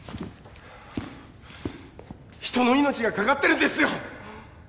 人の命がかかってるんですよ！